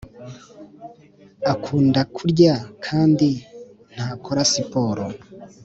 akunda kurya kandi ntakora siporo